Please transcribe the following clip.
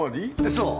そう。